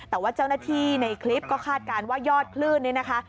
แต่ว่าเจ้าหน้าที่ในคลิปก็คาดการณ์ว่ายอดคลื่นนี่นะคะ